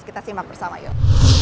kita simak bersama yuk